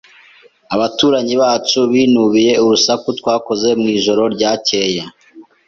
Abaturanyi bacu binubiye urusaku twakoze mwijoro ryakeye.